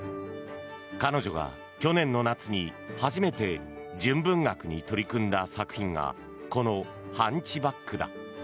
彼女が去年の夏に初めて純文学に取り組んだ作品がこの「ハンチバック」だ。